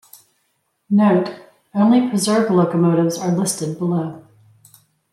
Note: only preserved locomotives are listed below.